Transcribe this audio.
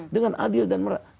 dengan adil dan merata